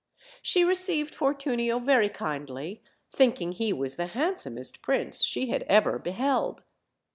She received Fortunio very kindly, think ing he was the handsomest prince she had ever beheld.